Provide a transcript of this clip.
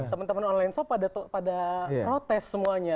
temen temen online shop pada protes semuanya